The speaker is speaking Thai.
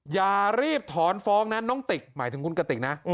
อย่ารีบถอนฟ้องนะน้องติกหมายถึงคุณกติกนะ